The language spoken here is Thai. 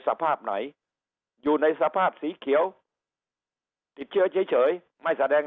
สภาพไหนอยู่ในสภาพสีเขียวติดเชื้อเฉยไม่แสดง